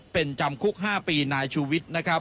เป็นจำคุก๕ปีนายชูวิทย์นะครับ